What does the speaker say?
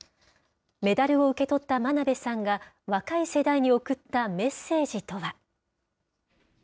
メダルを受け取った真鍋さんが若い世代に送ったメッセージとは。